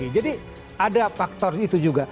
jadi ada faktor itu juga